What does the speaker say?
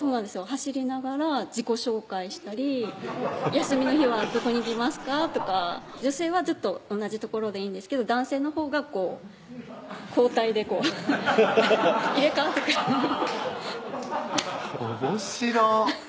走りながら自己紹介したり「休みの日はどこに行きますか？」とか女性はずっと同じ所でいいんですけど男性のほうが交代でこう入れ代わってくれるおもしろ